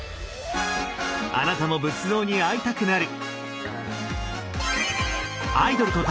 あなたも仏像に会いたくなる！